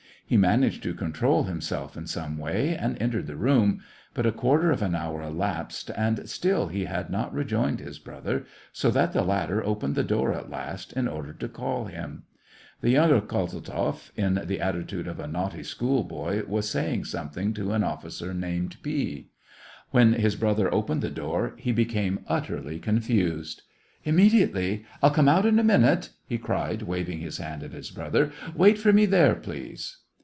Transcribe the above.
He managed to control himself in some way, and entered the room ; but a quarter of. an hour elapsed, and still he had not rejoined his brother, so that the latter opened the door at last, in order to call him. The younger Kozeltzoff, in the attitude of a naughty school boy, was saying something to an officer named P. When his brother opened the door, he became utterly confused. Immediately. I'll come out in a minute !" he cried, waving his hand at his brother. " Wait for me there, please."